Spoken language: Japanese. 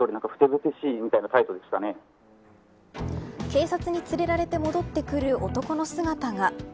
警察に連れられて戻ってくる男の姿が。